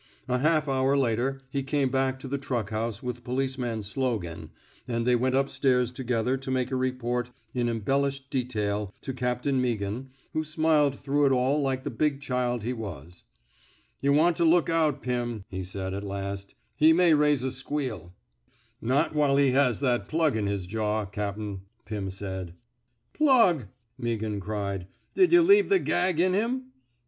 A half hour later he came back to the truck house with policeman Slogan, and they went up stairs together to make a report in embellished detail to Captain Meaghan, who smiled through it all like the big chUd he was. *^ Yuh want to look out, Pim," he said, at last. He may raise a squeal." 94 ON CIECUMSTANTIAL EVIDENCE ^* Not while he has that plug in his jaw, capX^* Pirn said. ^* Plug! " Meaghan cried. Did yuh leave the gag in him?